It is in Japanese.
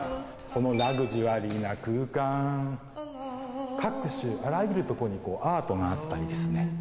このラグジュアリーな空間各種あらゆるとこにこうアートがあったりですね